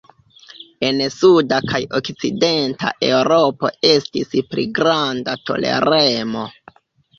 En suda kaj okcidenta Eŭropo estis pli granda toleremo.